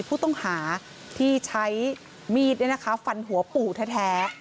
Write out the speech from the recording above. ผู้ต้องหาที่ใช้มีดฟันหัวปู่แท้